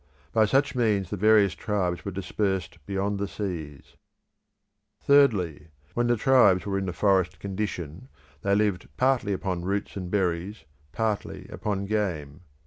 By such means the various tribes were dispersed beyond the seas. Thirdly, when the tribes were in the forest condition they lived partly upon roots and berries, partly upon game.